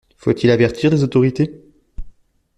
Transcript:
Faut-il avertir les autorités?